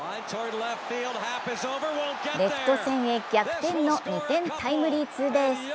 レフト線へ逆転の２点タイムリーツーベース。